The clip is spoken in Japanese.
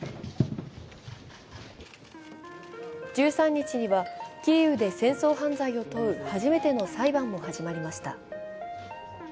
１３日には、キーウで戦争犯罪を問う初めての裁判も始まりました。